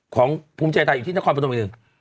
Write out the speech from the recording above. ของภูมิใจไทยอยู่ที่นครพนมอื่น